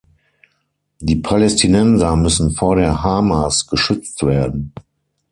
Die Palästinenser müssen vor der Hamas geschützt werden.